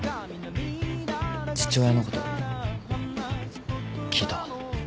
父親のこと聞いた。